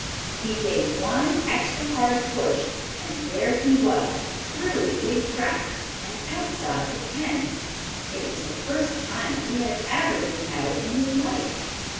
He gave one extra hard push, and there he was through the big crack, and outside the pen. It was the first time he had ever been out in his life.